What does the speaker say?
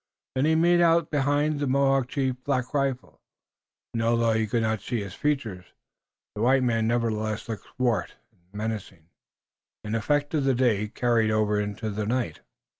Then he made out behind the Mohawk chief, Black Rifle, and, although he could not see his features, the white man nevertheless looked swart and menacing, an effect of the day carried over into the night.